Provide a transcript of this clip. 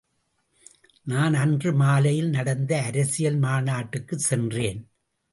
நான் அன்று மாலையில் நடந்த அரசியல் மாநாட்டுக்குச் சென்றேன்.